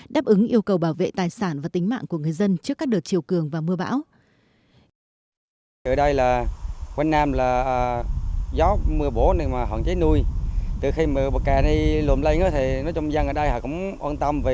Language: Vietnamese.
đáp ứng yêu cầu bảo vệ tài sản và tính mạng của người dân trước các đợt chiều cường và mưa bão